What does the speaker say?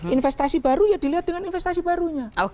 investasi baru ya dilihat dengan investasi barunya